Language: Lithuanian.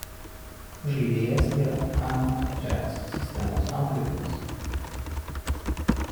Žaidėjas yra Ajax sistemos auklėtinis.